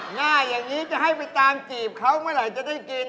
หน้าอย่างนี้จะให้ไปตามจีบเขาเมื่อไหร่จะได้กิน